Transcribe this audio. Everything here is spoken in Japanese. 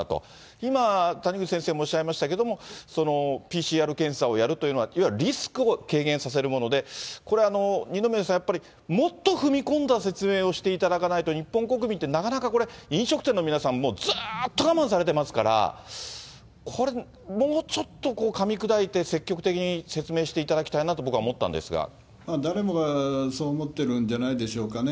今、谷口先生もおっしゃいましたけれども、ＰＣＲ検査をやるっていうのは、いわゆるリスクを軽減させるもので、これは二宮さん、やっぱりもっと踏み込んだ説明をしていただかないと、日本国民って、なかなかこれ、飲食店の皆さん、もうずっと我慢されてますから、これ、もうちょっと、かみ砕いて積極的に説明していただきたいなと、誰もがそう思ってるんじゃないでしょうかね。